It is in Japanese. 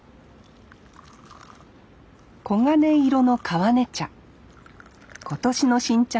黄金色の川根茶。